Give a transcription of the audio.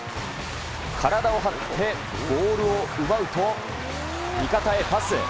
体を張ってボールを奪うと、味方へパス。